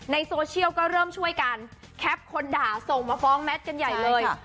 ในโซเชียลก็เริ่มช่วยกันแคปคนด่าส่งมาฟ้องแมทกันใหญ่เลย